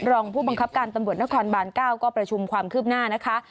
รองผู้บังคับการตำรวจนครบาน๙ก็ประชุมความคืบหน้านะคะ